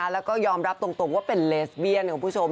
แล้วก็ยอมรับตรงว่าเป็นเลสเบียนคุณผู้ชม